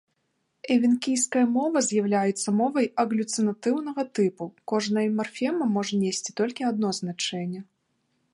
Эвенкійская мова з'яўляецца мовай аглюцінатыўнага тыпу, кожная марфема можа несці толькі адно значэнне.